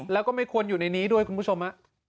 แล้วก็ไม่ควรอยู่ในนี้ด้วยคุณผู้ชม